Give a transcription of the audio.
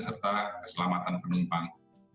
serta keselamatan penumpang